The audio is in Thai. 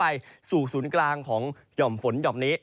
ไปสู่ศูนย์กลางของหย่อมฝนหย่อมนี้